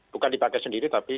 bukan dipakai sendiri tapi